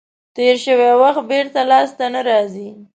تیر شوی وخت بېرته لاس ته نه راځي.